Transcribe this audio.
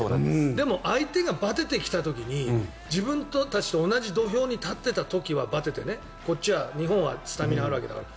でも、相手がバテてきた時に自分たちと同じ土俵に立った時はバテてねこっちは、日本はスタミナがあるわけだから。